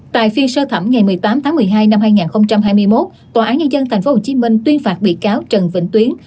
tại phiên sơ thẩm ngày một mươi tám tháng một mươi hai năm hai nghìn hai mươi một tòa án nhân dân tp hcm tuyên phạt bị cáo trần vĩnh tuyến